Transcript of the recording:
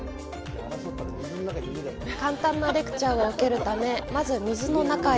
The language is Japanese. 簡単なレクチャーを受けるため、まず水の中へ。